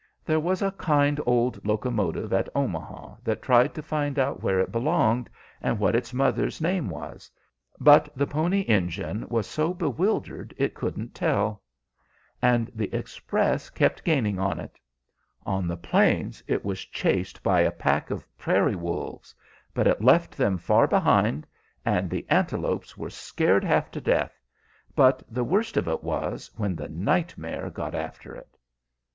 There was a kind old locomotive at Omaha that tried to find out where it belonged, and what its mother's name was, but the Pony Engine was so bewildered it couldn't tell. And the Express kept gaining on it. On the plains it was chased by a pack of prairie wolves, but it left them far behind; and the antelopes were scared half to death. But the worst of it was when the nightmare got after it."